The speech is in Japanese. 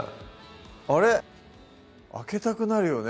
あれっ開けたくなるよね